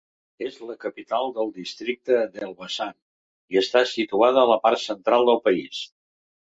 És la capital del districte d'Elbasan, i està situada a la part central del país.